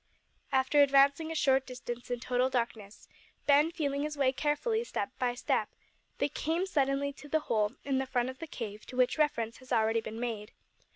After advancing a short distance in total darkness Ben feeling his way carefully step by step they came suddenly to the hole in the front of the cave to which reference has been already made.